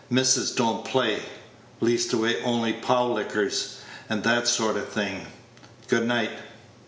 Missus don't play leastways only pawlkers, and that sort of think. Goodnight."